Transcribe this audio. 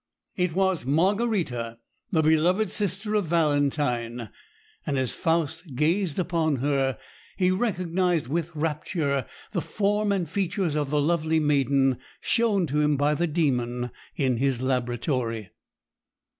It was Margarita, the beloved sister of Valentine; and as Faust gazed upon her, he recognised with rapture the form and features of the lovely maiden shown to him by the Demon in his laboratory.